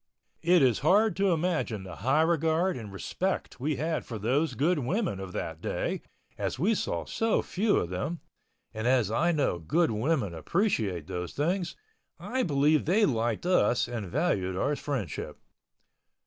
It is hard to imagine the high regard and respect we had for those good women of that day, as we saw so few of them—and as I know good women appreciate those things, I believe they liked us and valued our friendship.